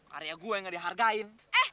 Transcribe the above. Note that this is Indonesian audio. karya gue yang gak dihargain